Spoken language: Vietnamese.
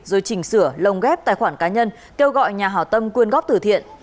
rồi chỉnh sửa lồng ghép tài khoản cá nhân kêu gọi nhà hảo tâm quyên góp từ thiện